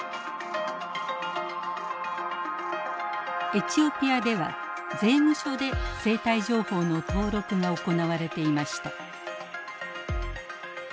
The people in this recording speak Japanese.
エチオピアでは税務署で生体情報の登録が行われていました。